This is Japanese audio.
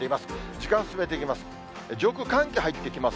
時間を進めていきます。